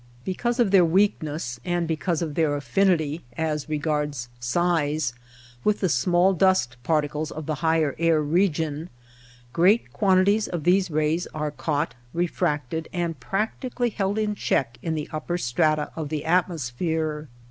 Because of their weakness, and because of their affinity (as regards size) with LIGHT, AIR, AND COLOR 83 the small dust particles of the higher air re gion, great quantities of these rays are caught, refracted, and practically held in check in the upper strata of the atmosphere.